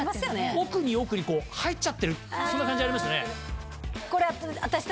奥に奥に入っちゃってるそんな感じありますよね。